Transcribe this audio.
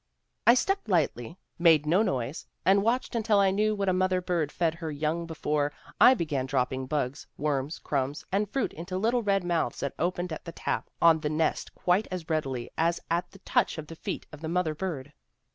" 'I Stepped lightly, made no noise, and watched until I knew what a mother bird fed her young be fore I began dropping bugs, worms, crumbs, and fruit into little red mouths that opened at my tap on the nest quite as readily as at the touch of the feet of the mother bird.